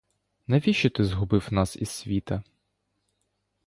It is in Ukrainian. Навіщо ти згубив нас із світа?